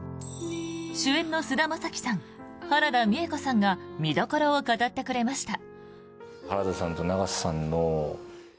主演の菅田将暉さん原田美枝子さんが見どころを語ってくれました。